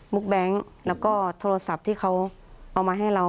แบงค์แล้วก็โทรศัพท์ที่เขาเอามาให้เรา